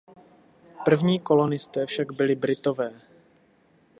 První kolonisté však byli Britové.